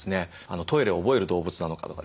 トイレを覚える動物なのかとかですね